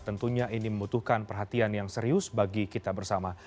tentunya ini membutuhkan perhatian yang serius bagi kita bersama